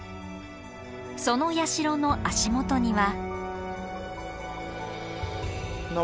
その社の足元には。